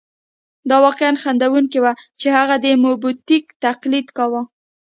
دا واقعاً خندوونکې وه چې هغه د موبوتیک تقلید کاوه.